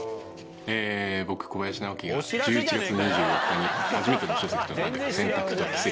僕小林直己が１１月２４日に初めての書籍となる『選択と奇跡